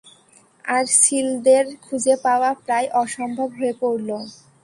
আর সিলদের খুঁজে পাওয়া প্রায় অসম্ভব হয়ে পড়ল।